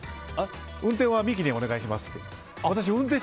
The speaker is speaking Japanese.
運転は三木にお願いしますって。